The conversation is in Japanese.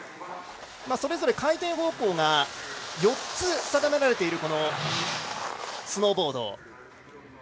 それぞれ回転方向が４つ定められているこのスノーボード。